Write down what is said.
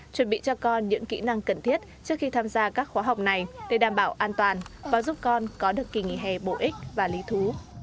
chuẩn bị cho con những kỹ năng cần thiết trước khi tham gia các khóa học này để đảm bảo an toàn và giúp con có được kỳ nghỉ hè bổ ích và lý thú